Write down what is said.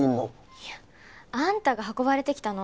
いやあんたが運ばれてきたの。